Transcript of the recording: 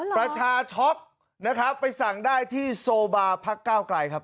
ประชาช็อคไปสั่งได้ที่โซบาร์พักเก้าไกรครับ